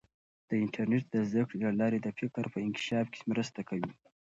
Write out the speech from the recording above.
د انټرنیټ د زده کړې له لارې د فکر په انکشاف کې مرسته کوي.